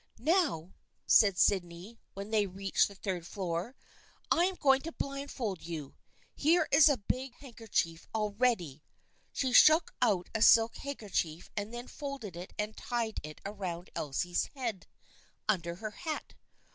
" Now," said Sydney, when they had reached the third floor, " I am going to blindfold you. Here is a big handkerchief all ready." She shook out a silk handkerchief and then folded it and tied it around Elsie's head, under her hat.